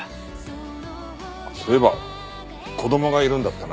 あっそういえば子供がいるんだったな。